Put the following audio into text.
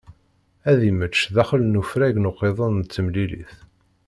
Ad immečč daxel n ufrag n uqiḍun n temlilit.